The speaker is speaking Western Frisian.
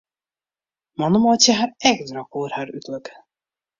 Mannen meitsje har ek drok oer har uterlik.